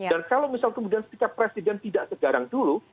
dan kalau misal kemudian sikap presiden tidak segarang dulu